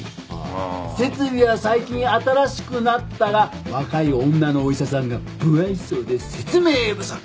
「設備は最近新しくなったが若い女のお医者さんが不愛想で説明不足」